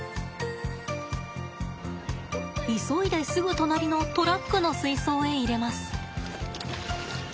急いですぐ隣のトラックの水槽へ入れます。